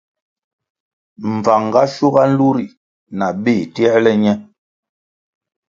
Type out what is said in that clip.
Mbvang ga schuga nlu ri na béh tierle ñe.